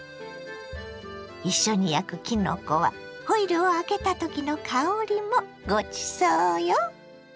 一緒に焼くきのこはホイルを開けたときの香りもごちそうよ。